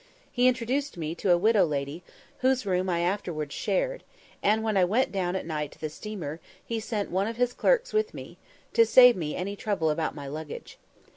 He introduced me to a widow lady, whose room I afterwards shared; and when I went down at night to the steamer, he sent one of his clerks with me, to save me any trouble about my luggage.